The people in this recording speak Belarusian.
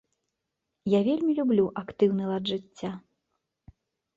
Я вельмі люблю актыўны лад жыцця.